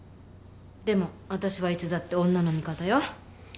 でも私はいつだって女の味方よ。